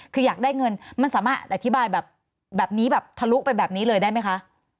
คืออยากได้เงินมันสามารถอธิบายแบบนี้แบบทะลุไปแบบนี้เลยได้ไหมคะ